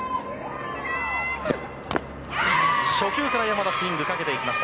初球から山田スイングをかけていきました。